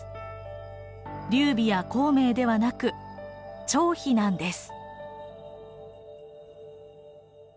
劉備や孔明ではなく張飛なんです。